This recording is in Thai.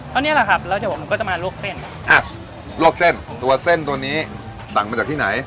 ก็เนี้ยแหละครับแล้วเดี๋ยวหนูก็จะมาลวกเส้นอ่ะลวกเส้นตัวเส้นตัวนี้สั่งมาจากที่ไหน